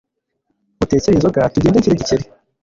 utekere inzoga tugende nshyire Gikeli